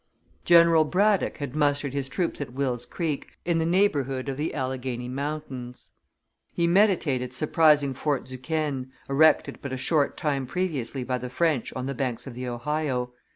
General Braddock had mustered his troops at Wills Creek, in the neighborhood of the Alleghany Mountains. He meditated surprising Fort Duquesne, erected but a short time previously by the French on the banks of the Ohio.